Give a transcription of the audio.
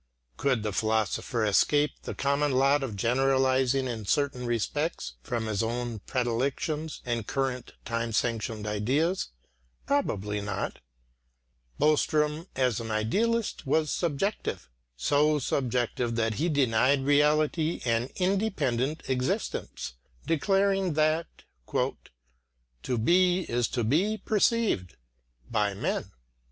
Could the philosopher escape the common lot of generalising in certain respects, from his own predilections and current time sanctioned ideas? Probably not. Boström as an idealist was subjective so subjective that he denied reality an independent existence, declaring that, "to be is to be perceived (by men)."